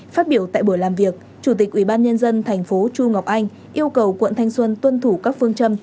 phát biểu tại buổi làm việc chủ tịch ubnd tp chu ngọc anh yêu cầu quận thanh xuân tuân thủ các phương châm